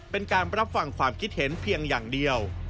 เป็นการรับฟังความคิดเห็นเพียงอย่างเดียว